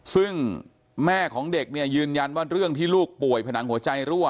ซึ่งแม่ของเด็กเนี่ยยืนยันว่าเรื่องที่ลูกป่วยผนังหัวใจรั่ว